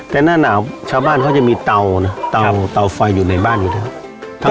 แต่หน้าหนาวชาวบ้านเขาจะมีเตานะเตาไฟอยู่ในบ้านอยู่แล้ว